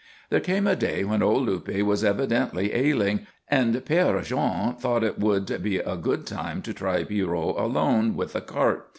There came a day when old Luppe was evidently ailing, and Père Jean thought it would be a good time to try Pierrot alone with the cart.